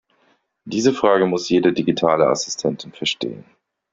Diese Frage muss jede digitale Assistentin verstehen.